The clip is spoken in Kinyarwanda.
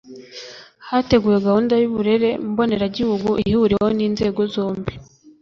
Hateguwe gahunda y uburere mboneragihugu ihuriweho n inzego zombi